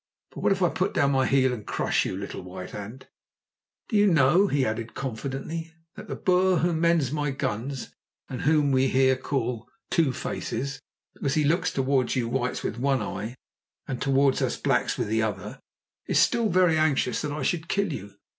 But what if I put down my heel and crush you, little white ant? Do you know," he added confidentially, "that the Boer who mends my guns and whom here we call 'Two faces,' because he looks towards you Whites with one eye and towards us Blacks with the other, is still very anxious that I should kill you?